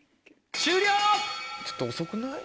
ちょっと遅くない？